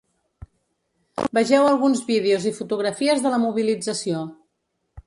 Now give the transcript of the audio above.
Vegeu alguns vídeos i fotografies de la mobilització.